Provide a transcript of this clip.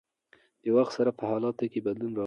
د وخت سره په حالاتو کښې بدلون راغی